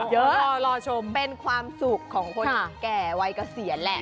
รอชมเป็นความสุขของคนแก่วัยเกษียณแหละ